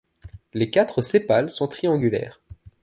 Les quatre sépales sont triangulaires.